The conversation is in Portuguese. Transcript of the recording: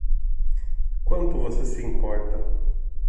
Quanto você se importa?